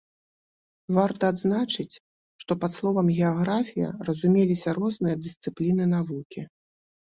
Варта адзначыць, што пад словам геаграфія разумеліся розныя дысцыпліны навукі.